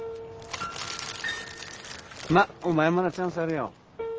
まあお前まだチャンスあるよ。